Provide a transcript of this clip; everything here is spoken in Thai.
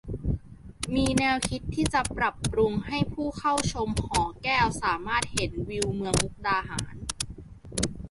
มีแนวคิดที่จะปรับปรุงให้ผู้เข้าชมหอแก้วสามารถเห็นวิวเมืองมุกดาหาร